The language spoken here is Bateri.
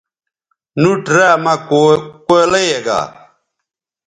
نُوٹ را مہ کولئ یے گا